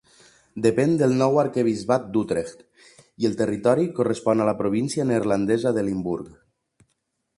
Depèn del nou arquebisbat d'Utrecht i el territori correspon a la província neerlandesa de Limburg.